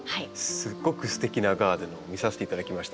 すごくすてきなガーデンを見させていただきました。